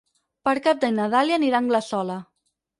Per Cap d'Any na Dàlia anirà a Anglesola.